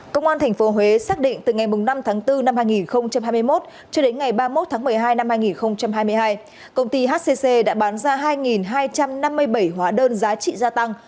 công an tp huế xác định từ ngày năm tháng bốn năm hai nghìn hai mươi một cho đến ngày ba mươi một tháng một mươi hai năm hai nghìn hai mươi hai công ty hcc đã bán ra hai hai trăm năm mươi bảy hóa đơn giá trị gia tăng